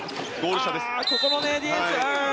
ここのディフェンス。